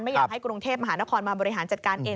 อยากให้กรุงเทพมหานครมาบริหารจัดการเอง